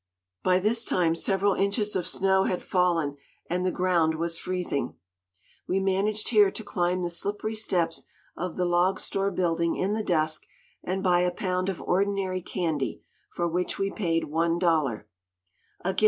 By this time several inches of snow had fallen, and the ground was freezing. We managed here to climb the slippery steps of the log store building in the dusk and buy a pound of ordinary candy, for which we paid one dollar.